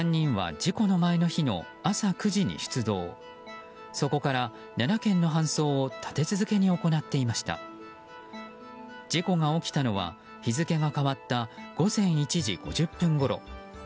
事故が起きたのは日付が変わった午前１時５０分ごろ。